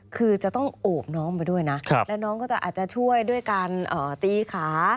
คือจะต้องโอบน้องไปด้วยนะแล้วน้องก็จะอาจจะช่วยด้วยการตีขา